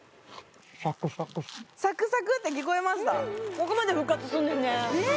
ここまで復活すんねんね！